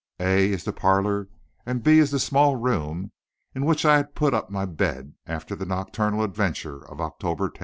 A is the parlor and B is the small room in which I had put up my bed after the nocturnal adventure of October 10.